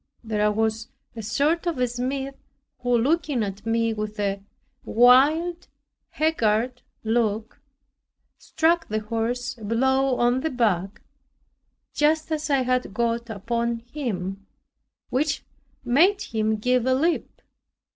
There was a sort of a smith, who looking at me with a wild haggard look, struck the horse a blow on the back, just as I had got upon him, which made him give a leap.